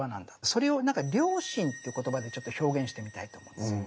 それをなんか「良心」って言葉でちょっと表現してみたいと思うんですよ。